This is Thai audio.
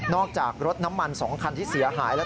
จากรถน้ำมัน๒คันที่เสียหายแล้ว